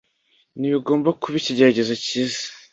Ntibigomba kuba Ikigeragezo kiza